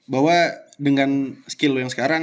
bahwa dengan skill yang sekarang